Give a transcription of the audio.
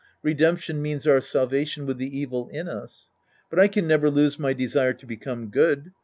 Redemption means our salvation with the evil in us. But I can never lose my desire to become good.